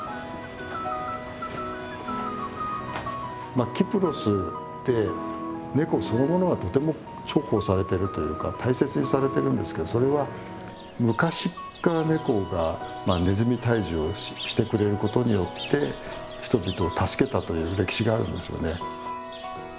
まあキプロスってネコそのものがとても重宝されてるというか大切にされてるんですけどそれは昔っからネコがネズミ退治をしてくれることによって人々を助けたという歴史があるんですよね。